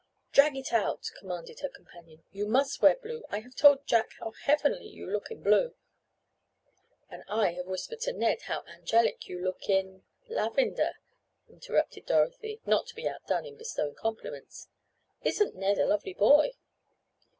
"Drag it out," commanded her companion. "You must wear blue. I have told Jack how heavenly you look in blue." "And I have whispered to Ned how angelic you look in—lavender," interrupted Dorothy, not to be outdone in bestowing compliments. "Isn't Ned a lovely—boy!"